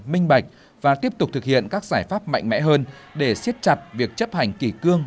minh bạch và tiếp tục thực hiện các giải pháp mạnh mẽ hơn để siết chặt việc chấp hành kỳ cương